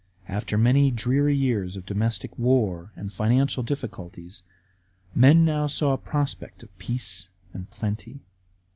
After many dreary years of domestic war and financial difficulties, men now saw a prospect of peace and plenty.